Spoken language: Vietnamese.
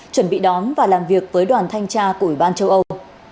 chuẩn bị đón và làm việc với đoàn thanh tra của ủy ban châu âu